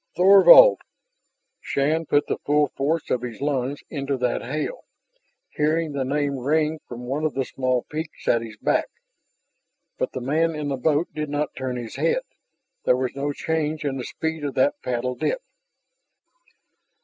"Thorvald !" Shann put the full force of his lungs into that hail, hearing the name ring from one of the small peaks at his back. But the man in the boat did not turn his head; there was no change in the speed of that paddle dip.